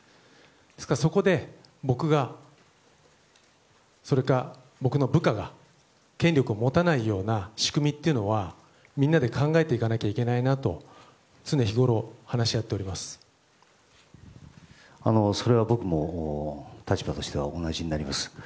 ですから、そこで僕がそれか、僕の部下が権力を持たないような仕組みをみんなで考えていかなきゃいけないなとそれは僕も立場としては同じになります。